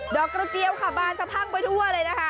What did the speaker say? ดอกกระเจียวขาบบานทั้งไปทั่วเลยนะคะ